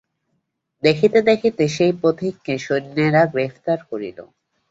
দেখিতে দেখিতে সেই পথিককে সৈন্যেরা গ্রেপ্তার করিল।